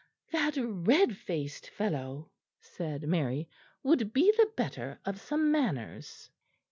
"That red faced fellow," said Mary, "would be the better of some manners.